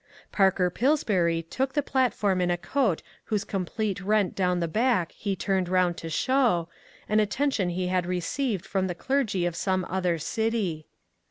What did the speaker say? Parker Pillsbury took the platform in a coat whose complete rent down the back he turned round to show, an attention he had received from the clergy of some other city.